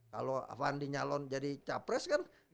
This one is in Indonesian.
kalau van dinyalon jadi capres kan